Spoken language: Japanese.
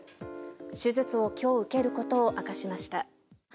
手術を今日受けることを明かしました。